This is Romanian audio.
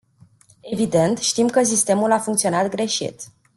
Evident, știm că sistemul a funcționat greșit.